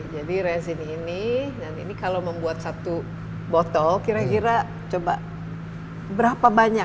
jadi resin ini kalau membuat satu botol kira kira coba berapa banyak